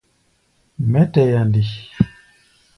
Mɛ́ tɛa nde?